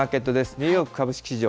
ニューヨーク株式市場。